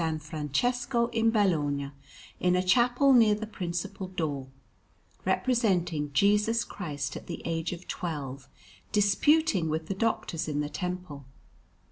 Francesco in Bologna, in a chapel near the principal door, representing Jesus Christ at the age of twelve disputing with the Doctors in the Temple.